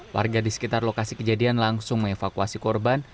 warga di sekitar lokasi kejadian langsung mengevakuasi korban